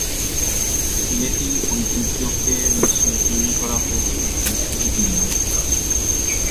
সিলেটি ঐতিহ্যকে মিশিয়ে তৈরি করা হয়েছে এই শহীদ মিনার।